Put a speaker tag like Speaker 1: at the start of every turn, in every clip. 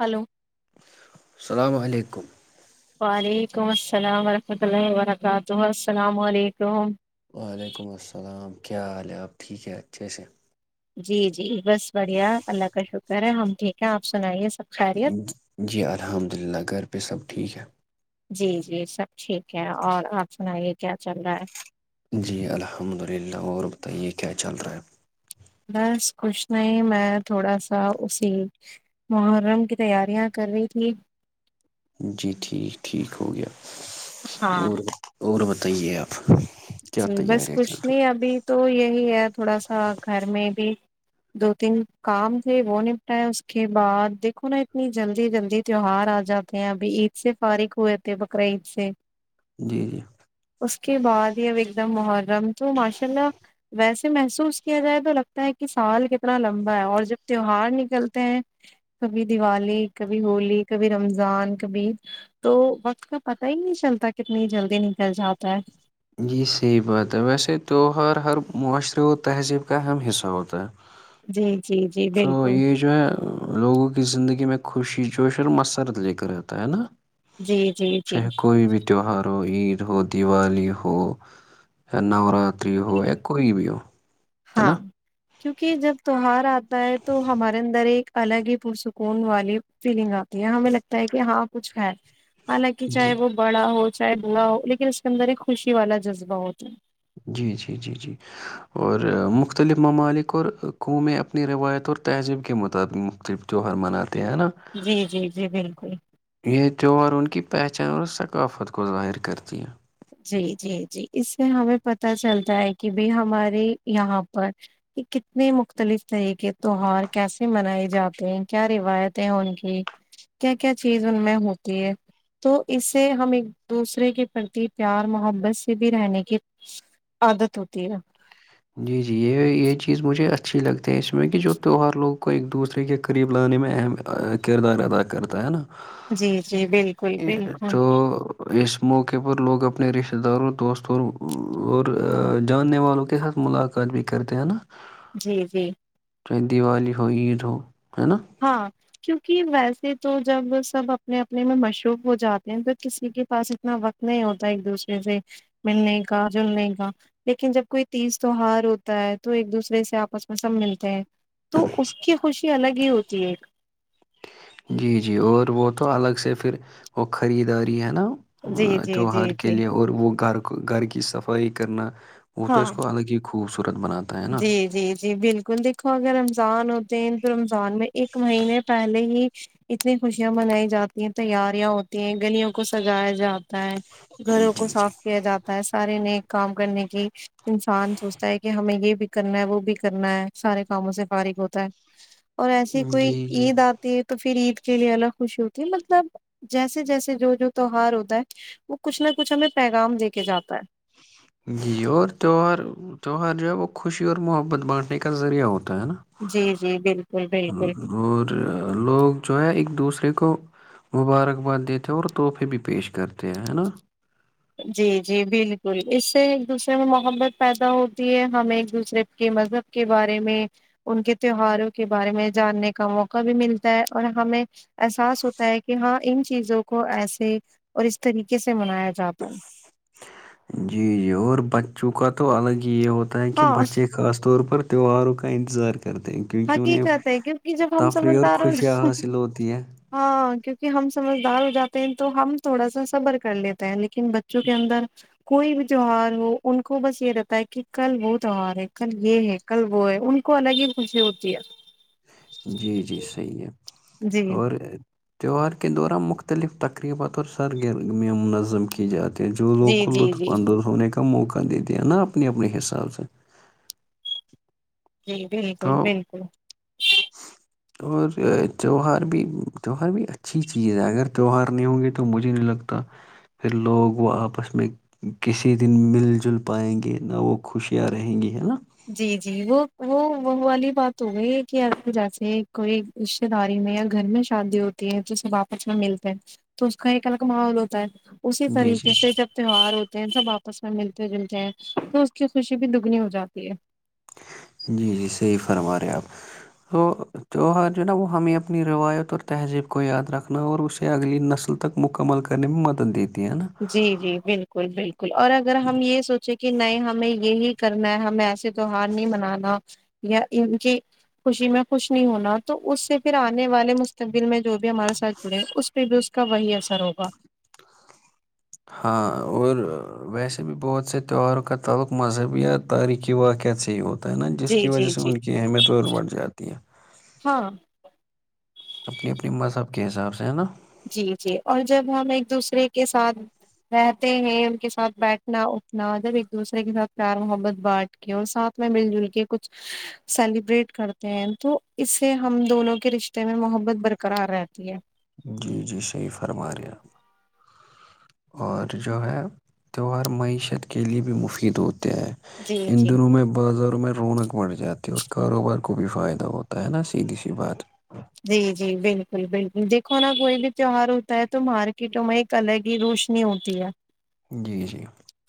Speaker 1: Hello
Speaker 2: السلام علیکم
Speaker 1: وعلیکم السلام ورحمۃ اللہ وبرکاتہ السلام علیکم
Speaker 2: وعلیکم السلام کیا حال ہے اب ٹھیک ہے اچھے سے
Speaker 1: جی جی بس بڑھیا اللہ کا شکر ہے ہم ٹھیک ہے آپ سنائیے سب خیریت
Speaker 2: جی الحمد للہ گھر پہ سب ٹھیک ہے
Speaker 1: جی جی سب ٹھیک ہے اور آپ سنائیے کیا چل رہا ہے
Speaker 2: جی الحمد للہ اور بتائیے کیا چل رہا ہے؟
Speaker 1: بس کچھ نہیں میں تھوڑا سا اسی محرم کی تیاریاں کر رہی تھی
Speaker 2: جی ٹھیک ٹھیک ہو گیا
Speaker 1: ہاں
Speaker 2: اور اور بت ت یہ ایپ
Speaker 1: جی بس کچھ نہیں ابھی تو یہی ہے تھوڑا سا گھر میں بھی دو تین کام تھے وہ نپٹائےائے اس کے بعد دیکھو نا اتنی جلدی جلدی تیوار آ جاتے ہیں ابھی عید سے فارغ ہوئے تھے بقر عید سے
Speaker 2: رہی جی جی
Speaker 1: اس کے بعد ایک دم محرم تو ماشاء اللہ ویسے محسوس کیا جائے تو لگتا ہے کہ سال کتنا لمبا ہے اور جب تیوہار نکلتے ہیں کبھی دیوالی کبھی ہولی کبھی رمضان کبھی تو وقت کا پت ہی نہیں چلتا کتنی جلدی نکل جاتا ہے
Speaker 2: یہی صحیح بات ہے ویسے تہوہار ہر معاشرے و تہذیب کا اہم حصہ ہوتا ہے
Speaker 1: جی جی جی
Speaker 2: تو
Speaker 1: بالکل
Speaker 2: یہ جو ہے لوگوں کی زندگی میں خوشی جوش اور مسرت لے کر رہتا ہے نا
Speaker 1: جی جی جی
Speaker 2: چاہے کوئی بھی تیوار ہو بھیڑ ہو دیوالی ہو ا ن ہوور ی ہو ہے کوئی بھی ہو ہے نا
Speaker 1: ہاں کیوںکہ جب تیوہار آتا ہے تو ہمارے اندر ایک الگ ہی پرسکون والی فیلنگ آتی ہے ہمیں لگتا ہے کہ ہاں کچھ ہے حالانکہ چاہے
Speaker 2: جی
Speaker 1: وہ بڑا ہو چاہے بلاا ہو لیکن اس کے اندر ایک خوشی والا جذبہ ہوتا
Speaker 2: جی جی جی جی اور مختلف ممالک اور قنوومیں اپنی روایت اور تہذیب کے مطابق مختلف تیوہار منات ہیں ہے نا
Speaker 1: جی جی جی بالکل
Speaker 2: یہ تہوہار ان کی پہچان اور ثقافت کو ظاہر کرتی ہے
Speaker 1: جی جی جی اس سے ہمیں پت چلتا ہے کہ ب ہمارے یہاں پر کتنے مختلف طرح کے تیوار کیسے منائے جاتے ہیں کیا روایتیں ہیں ان کی کیا کیا چیز ان میں ہوتی ہے تو اس سے ہم ایک دوسرے کے پرتی پیار محبت سے بھی رہنے کی عادت ہوتی ہےا
Speaker 2: جی جی یہ یہ چیز مجھے اچھی لگتی ہے اس میں کہ جو تہوار لوگوں کو ایک دوسرے کے قریب لانے میں اہم کردار ادا کرتا ہے نا
Speaker 1: جی جی بالکل بالکل
Speaker 2: موقعے پر لوگ اپنے رشتتے داروں دوستوں اور جاننے والوں کے ساتھ ملاقات بھی کرتے ہیں نا
Speaker 1: جی جی
Speaker 2: چاہے دیوالی ہو عید ہو ہے نا
Speaker 1: ہاں کیونکہ ویسے سے تو جب سب اپنے اپنے میں مشروف ہو جاتے ہیں تو کسی کے پاس اتنا وقت نہیں ہوتا ایک دوسرے سے ملنے کا جلنے کا لیکن جب کوئی تیز تیوار ہوتا ہے تو ایک دوسرے سے آپس میں سب ملتے ہیں تو اس کی خوشی الگ ہی ہوتی ایک ایک
Speaker 2: جی جی اور وہ تو الگ سے پھر وہ خریداری ہے ن
Speaker 1: جی جی
Speaker 2: تیوہار
Speaker 1: جی
Speaker 2: کے
Speaker 1: جی
Speaker 2: لیے اور وہ گھر گھر کی صفائیی کرنا وہ تو اس
Speaker 1: ہاں
Speaker 2: کو الگ ہی کو
Speaker 1: جی جی جی بالکل دیکھو اگر رمضان ہوتے ہیں سرم سانم ایک مہینے پہلے ہی اتنی خوشیاں منائی جاتی ہیں تیاریاں ہوتی ہیں گلیوں کو سجایا جاتا گھروں کو صاف کیا جاتا ہے سارے ن کام کرنے کی [unintelligible] انسان سوچتا ہے کہ ہمیں یہ بھی کرنا ہے وہ بھی کرنا ہے سارے کاموں سے فارغ ہوتا ہے اور ایسی کوئی
Speaker 2: جی جی
Speaker 1: عید آتی ہے تو پھر عید کے لیے الگ خوشی ہوتی ہے مطلب جیسے جیسے جو جو تیوار ہوتا ہے وہ کچھ نہ کچھ ہمیں پیغام دے کے جاتا ہے
Speaker 2: یہ یہ اور تہوار تہوار جو ہے وہ خوشی اور محبت بانٹنے کا ذریعہ ہوتا ہے نا
Speaker 1: جی جی بالکل بالکل
Speaker 2: اور لوگ جو ہے ایک دوسرے کو کو مبارکباد دیتے ہیں اور تحفے بھی پیش کرتے ہیں ہے نا
Speaker 1: جی جی بالکل اس سے ایک دوسرے میں محبت پیدا ہوتی ہے ہمیں ایک دوسرے کے مذہب کے بارے میں ان کے تہواروں کے بارے میں جاننے کا موقع بھی ملتا ہے اور ہمیں احساس ہوتا ہے کہ ہاں ان چیزوں کو ایسے اور اس طریقے سے منایا جا تن
Speaker 2: جی جی اور بچوں کا تو الگ ہی کہ یہ ہوتا ہےک
Speaker 1: ہاں
Speaker 2: بچے خاص طور پر تہواروں کا انتظار کر
Speaker 1: ہقی کہتے ہے کیونکہ جب ہم
Speaker 2: تفریح اور
Speaker 1: سمجھتاارو
Speaker 2: خوشیاں
Speaker 1: ج
Speaker 2: حاصل ہوتی ہے
Speaker 1: ہاں کیک کہ ہم سمجھدار ہو جاتے ہیں تو ہم تھوڑا سا صبر کر لیتے ہیں لیکن بچوں کے اندر کوئی بھی تیوہار ہو ان کو بس یہ رہتا ہے کہ کل وہ تہوار ہے کل یہ ہے کل وہ ہے ان کو الگ ہی خوشی ہوتی ہے
Speaker 2: جی جی صحیح ہے
Speaker 1: جی
Speaker 2: اور تہوار کے دوران مختلف تقریبات اور سرگرمیاں منظم کی جاتی جو لوگ
Speaker 1: جی
Speaker 2: ک لو
Speaker 1: جی
Speaker 2: تو
Speaker 1: جی
Speaker 2: بند ہونے کا کا موقع دیتے ہیں نا اپنے اپنے حساب سے
Speaker 1: جی بالکل
Speaker 2: تو
Speaker 1: بالکل
Speaker 2: اور تیوار بھی تیوار بھی اچھی چیز ہے اگر تیوہار نہیں ہوں گے تو مجھے نہیں لگتا پھر لوگ وہ آپس میں کسی دن مل جل پائیں گے نہ وہ خوشیاں رہیں گی ہے نا
Speaker 1: جی جی وہ وہ وہ والی بات ہوی ہے کہ ا جیسے کوئی رشتے داری میں یا گھر میں شادی ہوتی ہے تو سب آپس میں ملتے ہیں تو اس کا ایک الگ ماحول ہوتا ہے اسی
Speaker 2: جی جی
Speaker 1: طریقے سے جب تیوار ہوتے ہیں سب آپ میں ملتے جلتے ہیں تو اس کی خوشی بھی دگنی ہو جاتی ج
Speaker 2: جی جی صحیح فرما رہے آپ تو توہر جو نا وہ ہمیں اپنی روایت اور تہذیب کو یاد رکھنا اور اسے اگلی نسل تک مکمل کرنے میں مدد دیتی ہے نا
Speaker 1: جی جی بالکل بالکل اور اگر ہم یہ سوچیں کہ نئے ہمیں یہی کرنا ہے ہمیں ایسے تیوار نہیں منانا یا ان کی خوشی میں خوش نہیں ہونا تو اس سے پھر آنے والے مستقبل میں جو بھی ہمارےاتھ جڑے ہیں اس پہ بھی اس کا وہی اثر ہوگا
Speaker 2: ہاں اور ویسے بھی بہت سے تیوہاروں کا تعلق مذہبی یا تاریخی واقعہ سے ہی ہوتا ہے ہوتا ہے نا جس
Speaker 1: جی
Speaker 2: کی وجہ
Speaker 1: جی
Speaker 2: سے
Speaker 1: جی
Speaker 2: ان کی اہمیت اور بڑھ جاتی ہے
Speaker 1: ہاں
Speaker 2: اپنی اپنی مذہب کے حساب سے ہے نا
Speaker 1: جی جی اور جب ہم ایک دوسرے کے ساتھ رہتے ہیں ان کے ساتھ بیٹھنا اٹھنا جب ایک دوسرے کے ساتھ پیار محبت بانٹ کے اور ساتھ میں مل جل کے کچھ سیلیبریٹ کرتے ہیں تو اس سے ہم دونوں کے رشتے میں محبت برقرار رہتی ہے
Speaker 2: جی جی صحیح فرما رہے آپ اور جو ہے تیوہار معیشت کے لیے بھی مفید ہوتا
Speaker 1: جی
Speaker 2: ان
Speaker 1: جی
Speaker 2: دنوں میں بازاروں میں رونق بڑھ جاتی ہے اور کاروبار کو بھی فائدہ ہوتا ہے نا سیدھی سی بات
Speaker 1: جی جی بالکل بالکل دیکھو نا کوئی بھی تیوہار ہوتا ہے تو مارکیٹوں میں ایک الگ ہی روشنی ہوتی ہے
Speaker 2: جی جی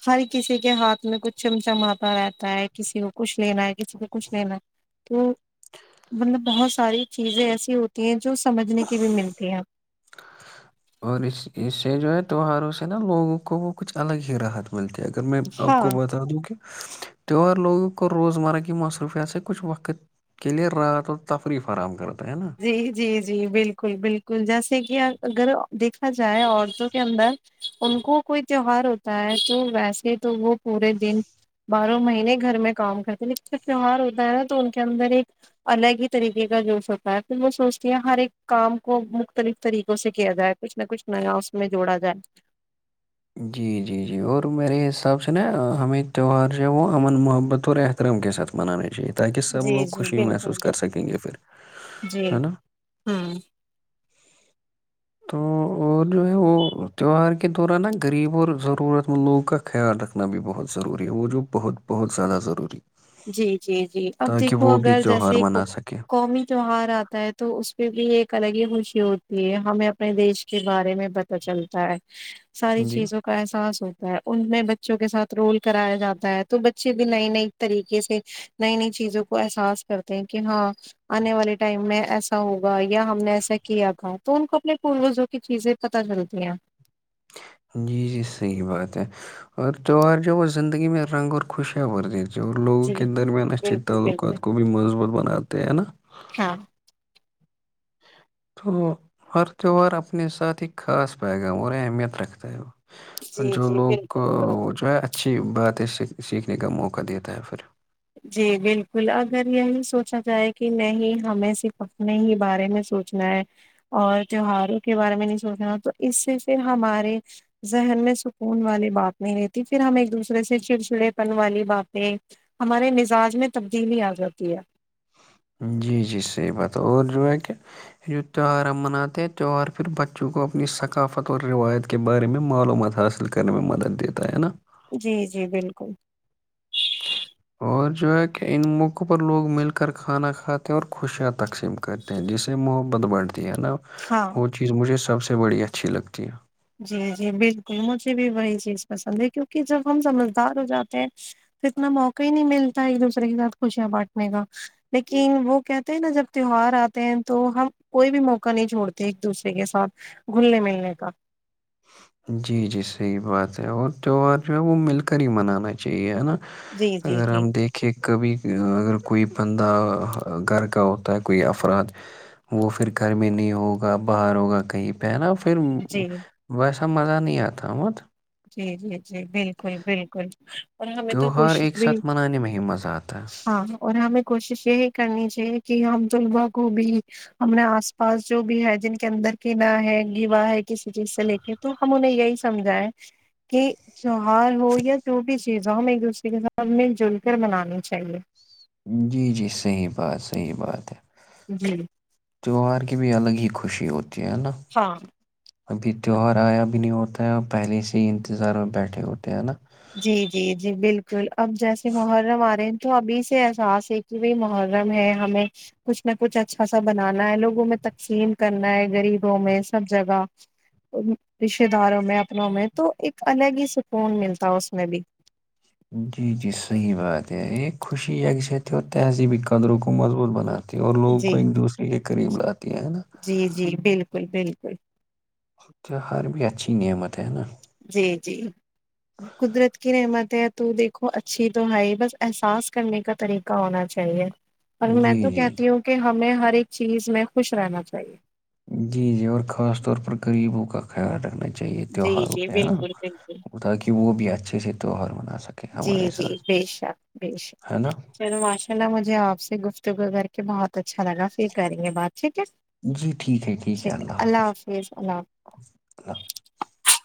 Speaker 1: ہر کسی کے ہاتھ میں کچھ چمچماتا رہتا ہے کسی کو کچھ لینا ہے کسی کو کچھ لینا ہے تو مطلب بہت ساری چیزیں ایسی ہوتی ہے
Speaker 2: اور اس اسے جو ہے تیواروں سے نا لوگوں کو وہ کچھ الگ ہی راحت ملتی کہ اگر میں آپ
Speaker 1: ہاں
Speaker 2: کو بتا دوں کہ تیوہار لوگوں کو روزمرہ کی مصروفیات سے کچھ وقت کے لیے رات اور تفریح فراہم کرتا ہے نا
Speaker 1: جی جی جی بالکل بالکل بالکل جیسے کہ اگر دیکھا جائے عورتوں کے اندر انک کوئی تیوہار ہوتا ہے تو ویسے تو وہ پورے دن باروں مہینے گھر میں کام کرتے ہیں تیوار ہوتا ہے نا تو ان کے اندر ایک الگ ہی طریقے کا جوش ہوتا ہے پھر وہ سوچتی ہیں ہر ایک کام کو مختلف طریقوں سے کیا جائے کچھ نہ کچھ نیا اس میں جوڑا جائے
Speaker 2: جی جی جی اور میرے حساب سے نا ہمیں تہوہار جو ہے وہ امن محبت اور احترام کے ساتھ منانے چاہیے تھے تاکہ سب
Speaker 1: جی
Speaker 2: لوگ
Speaker 1: جی
Speaker 2: خوشی
Speaker 1: بالکل
Speaker 2: محسوس کر سکیں
Speaker 1: بالکل
Speaker 2: گے پھر ہے نا
Speaker 1: ہوں
Speaker 2: تو اور جو ہے وہ تیوار کے دوران غریب اور ضرورت مند لوگوں کا خیال رکھنا بھی بہت ضروری ہے وہ جوو بہت بہت زیادہ ضروری
Speaker 1: جی جی جی اب
Speaker 2: تاکہ
Speaker 1: دیکھو
Speaker 2: وہ بھی
Speaker 1: اگر
Speaker 2: تیوہار
Speaker 1: جیسے
Speaker 2: منا سکے
Speaker 1: قومی تیوہار آتا ہے تو اس پہ بھی ایک الگ ہی خوشی ہوتی ہے ہمیں اپنے دیش کے بارے میں پتاہ چلتا ہے ساری
Speaker 2: جی
Speaker 1: چیزوں کا احساس ہو ان میں بچوں کے ساتھ رول کرایا جاتا ہے تو بچے بھی لئی نئی طریقے سے نئی نئی چیزوں کو احساس کرتے ہیں کہ ہاں آنے والے ٹائم میں ایسا ہوگا یا ہم نے ایسا کیا تھا تو ان کو اپنے پوروزوں کی چیزیں پت چلتی ہیں
Speaker 2: جی جی صحیح بات ہے اور تیوہار جو وہ زندگی میں رنگ اور خوش ہے وہور دی اور لوگوں
Speaker 1: جی
Speaker 2: کے
Speaker 1: جی
Speaker 2: درمیان اچھے
Speaker 1: بالکل بالکل
Speaker 2: تعلقات کو بھی مضبوط بناتے ہیں نا
Speaker 1: ہاں
Speaker 2: تو ہر تہوار اپنے ساتھ ایک خاص پائے گا اور اہمیت رکھتا ہے وہ
Speaker 1: جی
Speaker 2: جو
Speaker 1: جی
Speaker 2: لوگ
Speaker 1: بالکل
Speaker 2: وہ جو ہے اچھی باتیں سے سیکھنے کا موقع دیتا ہے پھر
Speaker 1: جی بالکل اگر یہی سوچا جائے کہ نہیں ہمیں صرف اپنے ہی بارے میں سوچنا ہے اور تیواروں کے بارے میں نہیں سوچنا تو اس سے پھر ہمارے ذہن میں سکون والی بات نہیں رہتی پھر ہم ایک دوسرے سے چڑچڑے پن والی باتیں ہمارے مزاج میں تبدیلی آ جاتی ہے
Speaker 2: جی جی صحیح بات ہے اور جو ہے کہ جو تہوار ہم مناتے ہیں تہوار پھر بچوں کو اپنی ثقافت اور روایت کے بارے میں معلومات حاصل کرنے میں مدد دیتا ہے نا
Speaker 1: جی جی بالکل
Speaker 2: اور جو ہے کہ ان موقعوں پر لوگ مل کر کھانا کھاتے ہیں اور خوشیاں تقسیم کرتے ہیں جس سے محبت بڑھتی ہے نا
Speaker 1: ہاں
Speaker 2: وہ چیز مجھے سب سے اس بڑی اچھی لگتی ہے
Speaker 1: جی جی بالکل مجھے بھی وہی چیز پسند ہے کیونکہ جب ہم سمجھدار ہو جاتے ہیں تو اتنا موقع ہی نہیں ملتا ایک دوسرے کے ساتھ خوشیاں بانٹنے کا لیکن وہ کہتے ہیں نا جب تیوہار آتے ہیں تو ہم کوئی بھی موقع نہیں چھوڑتے ایک دوسرے کے ساتھ گھلنے ملنے کا
Speaker 2: جی جی صحیح بات ہے اور تہوار جو ہے وہ مل کر ہی منانا چاہیے ہے نا
Speaker 1: جی جی
Speaker 2: اگر
Speaker 1: جی
Speaker 2: ہم دیکھے کبھی اگر کوئی بندہ گھر کا ہوتا ہے کوئی افراد وہ پھر گھر میں نہیں ہوگا باہر ہوگا کہیں پہنا پھر
Speaker 1: جی
Speaker 2: بسا مزہ نہیں آ آمت
Speaker 1: جی جی جی بالکل بالکل اور ہمیں تو
Speaker 2: تہوار
Speaker 1: کوشش
Speaker 2: ایک
Speaker 1: بھی
Speaker 2: ساتھ منانے میں ہی مزہ آتا
Speaker 1: ہاں اور ہمیں کوشش یہی کرنی چاہیے کہ ہم طلبا کو بھی ہم نے آس پاس جو بھی ہے جن کے اندر کینا ہے گیوا ہے کسی چیز سے لے کے تو ہم انہیں یہی سمجھا ہے کہ تیوار ہو یا جو بھی چیز ہو ہم ایک دوسرے کے ساتھ مل جل کر منانی چاہیے
Speaker 2: جی جی صحیح بات صحیح بات ہے
Speaker 1: جی
Speaker 2: تیوہار کی بھی الگ ہی ک خوشی ہو لٹانہ
Speaker 1: ہاں
Speaker 2: ابھی تیوہار آیا بھی نہیں ہوتا ہے اور پہلے سے ہی انتظار میں بیٹھے ہوتے ہیں نا
Speaker 1: جی جی جی بالکل اب جیسے محرم آ رہے ہیں تو ابھی سے احساس ہے کہ وہی محرم ہے ہمیں کچھ نہ کچھ اچھا سا بنانا ہے لوگوں میں تقسیم کرنا ہے غریبوں میں سب جگہ رشہ داروں میں اپنوں میں تو ایک الگ ہی سکون ملتا تھا اس میں بھی
Speaker 2: جی جی صحیح بات ہے ایک خوشی یکست ہو ایسی بھی قدروں کو مضبوط بناتی ہے اور لوگوں کو
Speaker 1: جی
Speaker 2: ایک دوسرے کے قریب لاکھ
Speaker 1: جی جی بالکل ب بالکل
Speaker 2: ہر بھیتھی نعمت ہے نا
Speaker 1: جی جی قدرت کی نعمتیں تو دیکھو اچھی تو ہے ہی بس احساس کرنے کا طریقہ ہونا چاہیے اور میں
Speaker 2: جی،
Speaker 1: تو
Speaker 2: جی،
Speaker 1: کہتی ہوں کہ ہمیں ہر ہر ایک چیز میں خوش رہنا چاہیے
Speaker 2: جی جیور خاص طور پر غریبوں کا خ رکھ چاہیے
Speaker 1: جی
Speaker 2: تیوہار
Speaker 1: جی
Speaker 2: پہ ہے نا
Speaker 1: بالکل بالکل
Speaker 2: وہ تاکہ وہ بھی اچھے سے تو ہور ہو
Speaker 1: جی جی بے شک بے
Speaker 2: ہے
Speaker 1: شک
Speaker 2: نا؟
Speaker 1: چلو ماشاء اللہ مجھے آپ سے گف کے بہ اچھا لگا پھر کریں گے بات ٹھیک ہے
Speaker 2: جی، ٹھیک ہے، ہے،
Speaker 1: ٹھیک اللہ حافظ اللہ
Speaker 2: اللہ
Speaker 1: حافظ